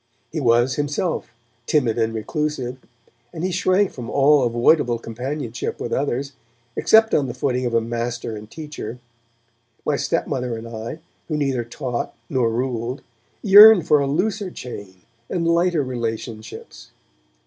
He was, himself, timid and reclusive, and he shrank from all avoidable companionship with others, except on the footing of a master and teacher. My stepmother and I, who neither taught nor ruled, yearned for a looser chain and lighter relationships.